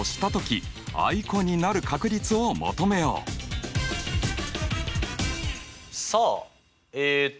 えっ？さあえっと